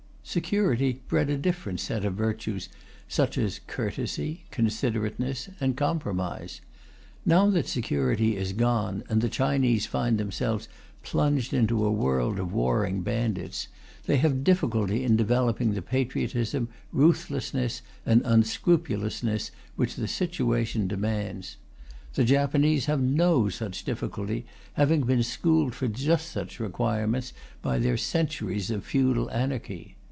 Security bred a different set of virtues, such as courtesy, considerateness, and compromise. Now that security is gone, and the Chinese find themselves plunged into a world of warring bandits, they have difficulty in developing the patriotism, ruthlessness, and unscrupulousness which the situation demands. The Japanese have no such difficulty, having been schooled for just such requirements by their centuries of feudal anarchy.